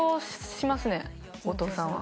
後藤さんは。